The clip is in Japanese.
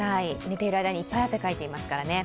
寝ている間にいっぱい汗かいていますからね。